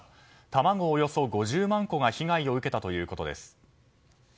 卵およそ５０万個が被害を受けたということです。